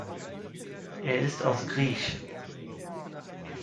Er ist aus griech.